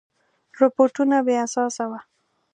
رپوټونه بې اساسه وه.